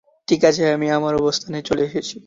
ঠিক আছে, আমি আমার অবস্থানে চলে এসেছি।